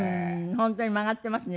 本当に曲がってますね。